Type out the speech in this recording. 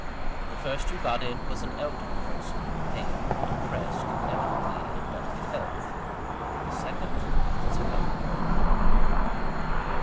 The first who got in was an elderly person pale and depressed evidently in delicate health. The second was a young girl.